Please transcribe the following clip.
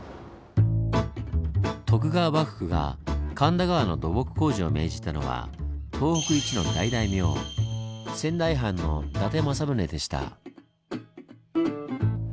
徳川幕府が神田川の土木工事を命じたのは東北一の大大名仙台藩の伊達政宗でした。